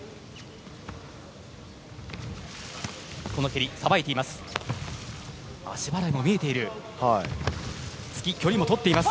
この蹴り、さばいています。